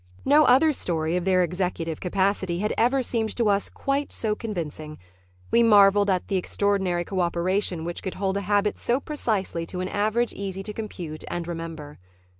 No other story of their executive capacity had ever seemed to us quite so convincing. We marveled at the extraordinary coöperation which could hold a habit so precisely to an average easy to compute and remember.